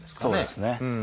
そうですね。